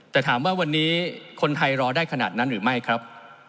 แต่ถามว่าวันนี้คนไทยรอได้ขนาดนั้นหรือไม่ครับ